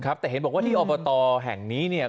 ครับแต่เห็นบอกว่าที่อบตแห่งนี้